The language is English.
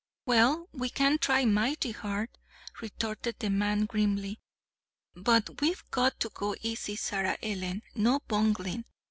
"Well, we can try mighty hard," retorted the man grimly. "But we've got to go easy, Sarah Ellen, no bungling.